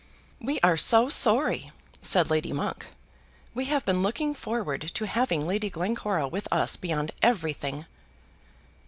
"We are so sorry," said Lady Monk. "We have been looking forward to having Lady Glencora with us beyond everything."